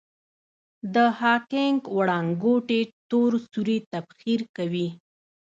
د هاکینګ وړانګوټې تور سوري تبخیر کوي.